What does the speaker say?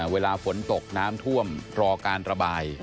เวลาฝนตกน้ำท่วมรอการระบาย